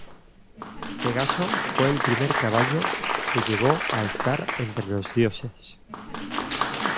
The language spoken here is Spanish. Pegaso fue el primer caballo que llegó a estar entre los dioses.